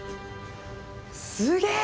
すげえ！